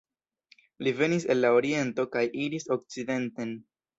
Li venis el la oriento kaj iris okcidenten.